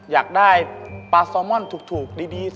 อยากได้ปลาซารมอนถูกดีสักทีหนึ่ง